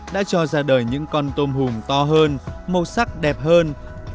đã cho ra đời những con tôm hùm to hơn màu sắc đẹp hơn